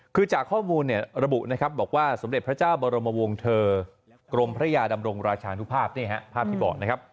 คือจากข้อมูลเนี่ยระบุนะครับบอกว่าสมเด็จพระเจ้าบรมวงเถอร์กรมพระยาดำรงราชานุภาพภาพที่บอกนะครับ